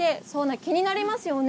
気になりますよね？